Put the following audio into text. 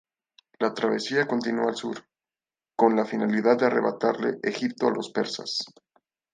La travesía continúa al sur, con la finalidad de arrebatarle Egipto a los persas.